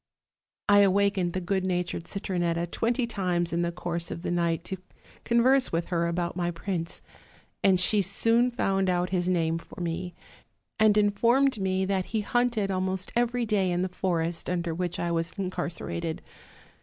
I awakened the good natured Cit ronetta twenty times in the course of the night to con verse with her about my prince; and she soon found out his name for me, and informed me that he hunteo. almost every day in the forest under which I was incarcerated.